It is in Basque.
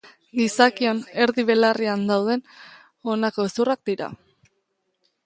Gizakion erdi belarrian dauden honako hezurrak dira.